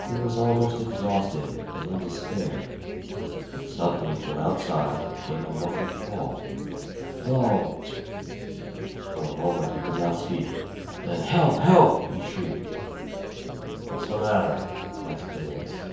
He was almost exhausted and in despair when suddenly from outside came a muffled call "Hello!" For a moment he could not speak. Then "Help! Help!" he shrieked. "What's the matter?" asked the voice.